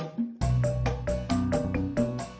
bur cang ijo